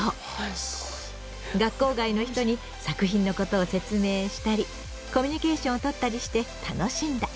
学校外の人に作品のことを説明したりコミュニケーションを取ったりして楽しんだ。